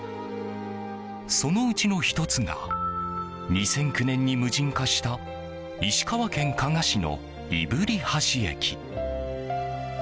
そのうちの１つが２００９年に無人化した石川県加賀市の動橋駅。